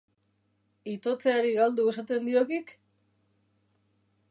Itotzeari galdu esaten diok hik?